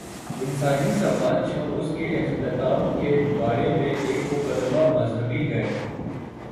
انسانی سماج اور اس کے اختتام کے بارے میں ایک مقدمہ مذہبی ہے۔